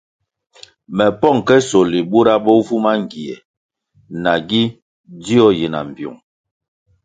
Me pong ke sohli bura bo vu mangie nagi dzio yi na mbpyung.